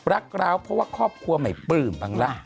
รักเราเพราะว่าครอบครัวใหม่ปลืมบังละ